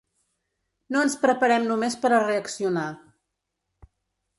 No ens preparem només per a reaccionar.